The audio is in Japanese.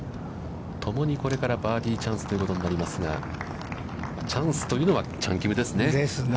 ともにこれからバーディーチャンスということになりますが、チャンスというのはチャン・キムですね。ですね。